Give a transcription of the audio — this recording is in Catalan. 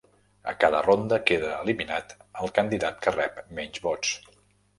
A cada ronda, queda eliminat el candidat que rep menys vots.